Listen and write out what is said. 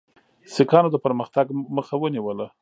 سیکهانو د پرمختګ مخه ونیوله.